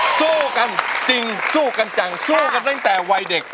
สู้กันจริงสู้กันจังสู้กันตั้งแต่วัยเด็ก